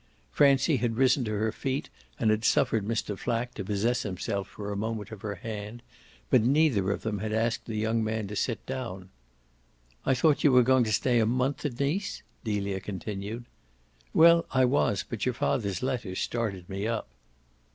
Francie had risen to her feet and had suffered Mr. Flack to possess himself for a moment of her hand, but neither of them had asked the young man to sit down. "I thought you were going to stay a month at Nice?" Delia continued. "Well, I was, but your father's letter started me up."